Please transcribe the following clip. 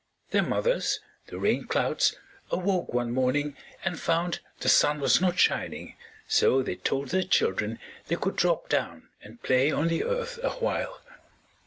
Their mothers, the Rain Clouds, awoke one morning and found the sun was not shining, so they told their children they could drop down and play on the Earth awhile.